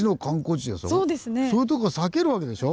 そういうとこは避けるわけでしょ。